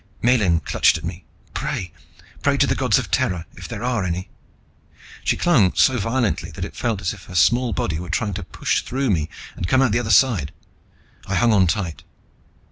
Miellyn clutched at me. "Pray! Pray to the Gods of Terra, if there are any!" She clung so violently that it felt as if her small body was trying to push through me and come out the other side. I hung on tight.